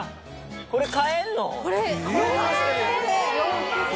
これ、買えるの？